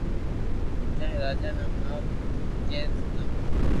تو جائينن راجي ني ھوڻاو ڪي سوداما